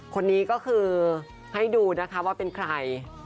คนนี้ก็คือให้ดูนะคะว่าเป็นใคร